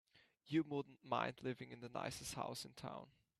You wouldn't mind living in the nicest house in town.